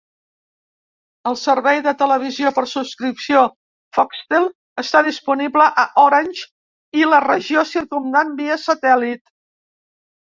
El servei de televisió per subscripció "Foxtel" està disponible a Orange i la regió circumdant via satèl·lit.